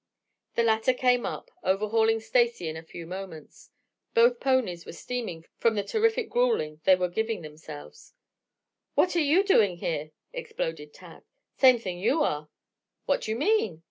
The latter came up, overhauling Stacy in a few moments. Both ponies were steaming from the terrific gruelling they were giving themselves. "What you doing here?" exploded Tad. "Same thing you are." "What do you mean?"